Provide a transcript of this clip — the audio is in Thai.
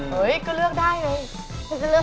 เฮ้ยก็เลือกได้เลย